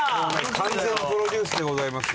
完全プロデュースでございますよ。